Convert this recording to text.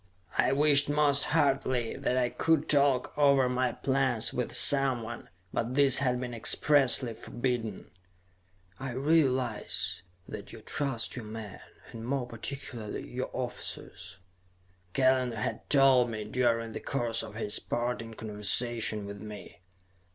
I wished most heartily that I could talk over my plans with someone, but this had been expressly forbidden. "I realize that you trust your men, and more particularly your officers," Kellen had told me during the course of his parting conversation with me.